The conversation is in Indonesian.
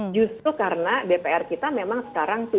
justru karena dpr kita memang sekarang